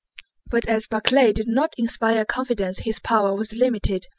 But as Barclay did not inspire confidence his power was limited.